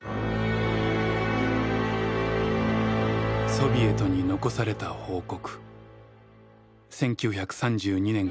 ソビエトに残された報告。